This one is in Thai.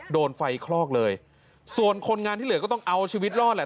โดนไฟคลอกเลยส่วนคนงานที่เหลือก็ต้องเอาชีวิตรอดแหละ